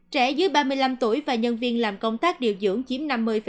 trẻ dưới ba mươi năm tuổi và nhân viên làm công tác điều dưỡng chiếm năm mươi